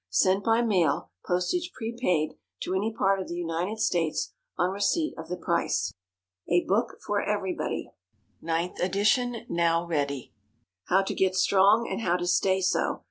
Sent by mail, postage prepaid, to any part of the United States, on receipt of the price. A BOOK FOR EVERYBODY. Ninth Edition now Ready. =HOW TO GET STRONG, AND HOW TO STAY SO.